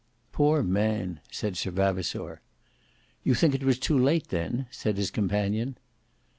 "Poor man" said Sir Vavasour. "You think it was too late, then?" said his companion.